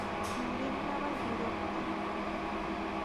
নলিনের আবার বিরক্তি!